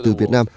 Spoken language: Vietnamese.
từ việt nam